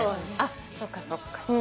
そっかそっか。